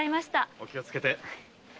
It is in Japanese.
お気をつけて。